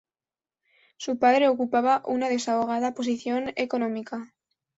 Su padre ocupaba una desahogada posición económica.